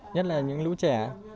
nhất là những lũ trẻ